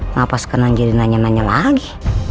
ngapas kenang jadi nanya nanya lagi